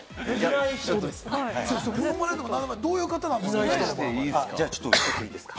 どういう方ですか？